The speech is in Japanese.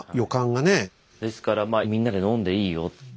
ですからまあ「みんなで飲んでいいよ」って。